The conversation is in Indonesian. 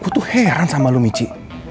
gue tuh heran sama lu michi